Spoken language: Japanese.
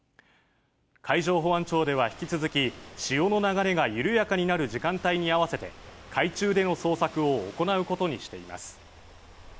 海上保安庁では引き続き、潮の流れが緩やかになる時間帯に合わせて、海中での捜索を行うこ